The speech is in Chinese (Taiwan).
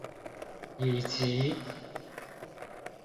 以及